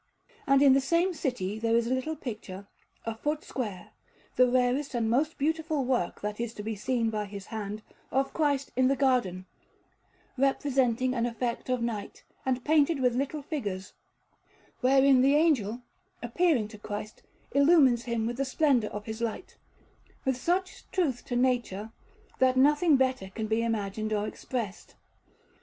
And in the same city there is a little picture, a foot square, the rarest and most beautiful work that is to be seen by his hand, of Christ in the Garden, representing an effect of night, and painted with little figures; wherein the Angel, appearing to Christ, illumines Him with the splendour of his light, with such truth to nature, that nothing better can be imagined or expressed.